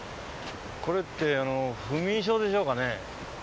これってあの不眠症でしょうかね？